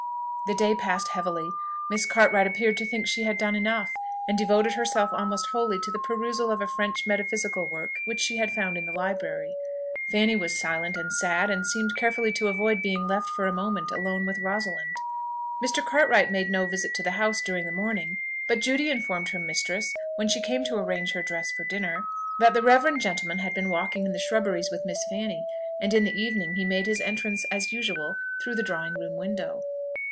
The day passed heavily. Miss Cartwright appeared to think she had done enough, and devoted herself almost wholly to the perusal of a French metaphysical work which she had found in the library, Fanny was silent and sad, and seemed carefully to avoid being left for a moment alone with Rosalind. Mr. Cartwright made no visit to the house during the morning: but Judy informed her mistress, when she came to arrange her dress for dinner, that the reverend gentleman had been walking in the shrubberies with Miss Fanny; and in the evening he made his entrance, as usual, through the drawing room window.